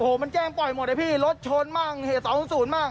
โอ้โหมันแจ้งปล่อยหมดไอ้พี่รถโชนมั่งเหตุสองศูนย์มั่ง